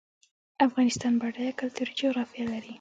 افغانستان بډایه کلتوري جغرافیه لري